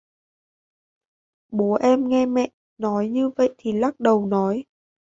Bố em nghe mẹ nói như vậy thì lắc đầu nói